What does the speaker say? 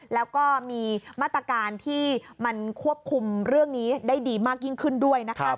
แล้วก็มีมาตรการที่มันควบคุมเรื่องนี้ได้ดีมากยิ่งขึ้นด้วยนะคะ